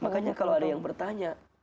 makanya kalau ada yang bertanya